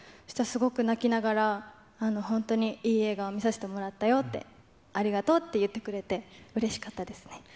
そしたらすごく泣きながら、本当にいい映画を見させてもらったよって、ありがとうって言ってくれて、うれしかったですね。